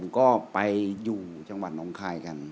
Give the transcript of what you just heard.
ก็ไปอยู่จังหวัดน้องคายกัน